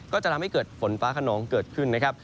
ก็จะทำให้เกิดฝนฟ้าขนองเกิดขึ้นนะครับ